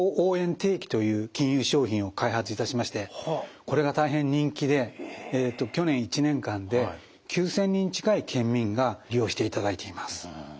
定期という金融商品を開発いたしましてこれが大変人気で去年１年間で９，０００人近い県民が利用していただいています。